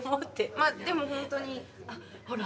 まあでもほんとにほら。